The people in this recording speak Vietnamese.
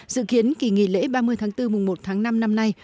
dự kiến kỳ nghỉ lễ ba mươi tháng bốn mùng một tháng năm năm nay